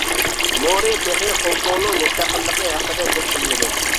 مورى تېخى خوڭكوڭنىڭ مۇستەقىللىقى ھەققىدە گەپ قىلمىدى.